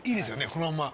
このまんま。